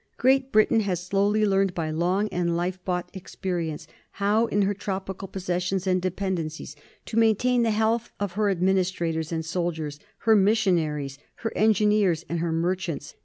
Great Britain has slowly learned by long and life bought experience how in her tropical possessions and depen dencies to maintain the health of her administrators and soldiers, her missionaries, her engineers, and her merchants.